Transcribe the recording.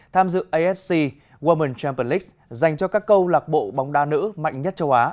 tham dự afc women s champion league dành cho các câu lạc bộ bóng đá nữ mạnh nhất châu á